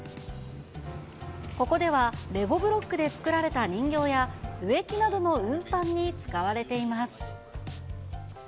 ここではレゴブロックで作られた人形や、植木などの運搬に使われています。